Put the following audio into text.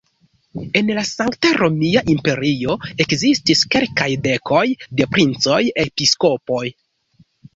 En la Sankta Romia Imperio ekzistis kelkaj dekoj da princoj-episkopoj.